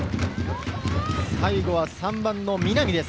最後は３番の南です。